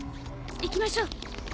行きましょう！